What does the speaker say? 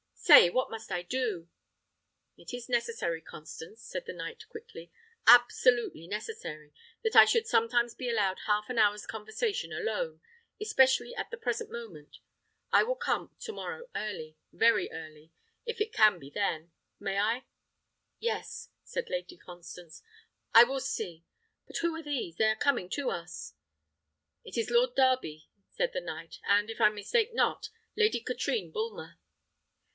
Say what must I do?" "It is necessary, Constance," said the knight quickly, "absolutely necessary, that I should sometimes be allowed half an hour's conversation alone, especially at the present moment. I will come to morrow early, very early, if it can be then. May I?" "Yes," said Lady Constance, "I will see. But who are these? They are coming to us." "It is Lord Darby," said the knight, "and, if I mistake not, Lady Katrine Bulmer."